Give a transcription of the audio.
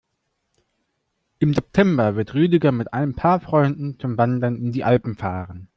Im September wird Rüdiger mit ein paar Freunden zum Wandern in die Alpen fahren.